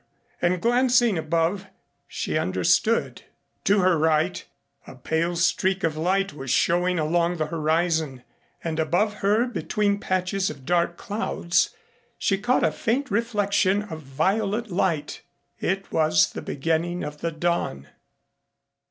And glancing above she understood. To her right a pale streak of light was showing along the horizon, and above her between patches of dark clouds she caught a faint reflection of violet light. It was the beginning of the dawn.